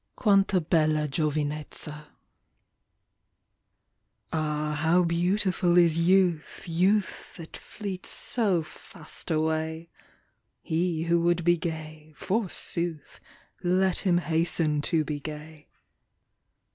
Quant* h bella giovinezza." AH, how beautiful is youth, Youth that fleets so fast away 1 He who would be gay, forsooth. Let him hasten to be gay